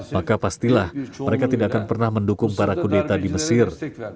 maka pastilah mereka tidak akan pernah mendukung para kudeta di mesir